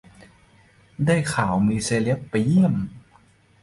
ได้ข่าวมีเซเล็บไปเยี่ยม